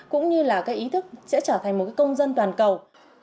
cũng như là cái ý thức sẽ trở thành một cái công dân toàn cầu